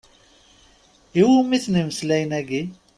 I wumi-ten imeslayen-agi?